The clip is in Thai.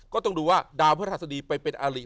ก็ต้องดูว่าดาวพระหัสดีไปเป็นอาริ